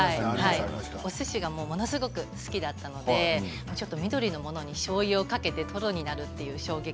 おすしがものすごく好きだったので緑のものに、しょうゆをかけてとろになるという衝撃。